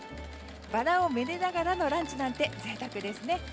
バラを愛でながらのランチなんて贅沢ですね。